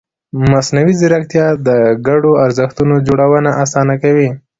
مصنوعي ځیرکتیا د ګډو ارزښتونو جوړونه اسانه کوي.